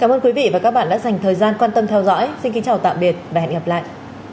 cảm ơn quý vị và các bạn đã dành thời gian quan tâm theo dõi xin kính chào tạm biệt và hẹn gặp lại